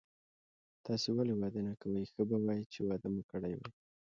تاسي ولي واده نه کوئ، ښه به وای چي واده مو کړی وای.